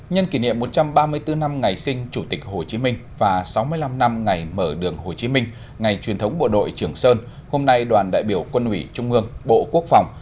nhân kỷ niệm một trăm ba mươi bốn năm ngày sinh chủ tịch hồ chí minh và sáu mươi năm năm ngày mở đường hồ chí minh ngày truyền thống bộ đội trường sơn hôm nay đoàn đại biểu quân ủy trung ương bộ quốc phòng